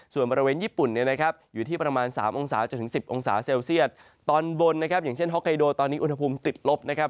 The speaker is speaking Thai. ส่วนบริเวณญี่ปุ่นอยู่ที่ประมาณ๓๑๐องศาเซลเซียตตอนบนอย่างเช่นฮอกไกโดตอนนี้อุณหภูมิติดลบนะครับ